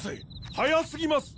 早すぎます！